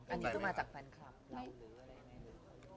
อันนี้ซึ่งมาจากแฟนครับหรือ